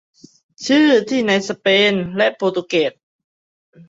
ชื่อที่ให้ในสเปนและโปรตุเกส